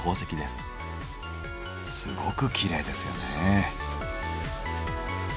すごくきれいですよね。